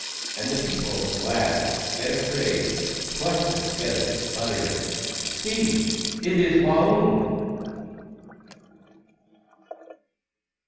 And the people, glad, yet afraid, clus tered together, muttering, " See ! It is Waung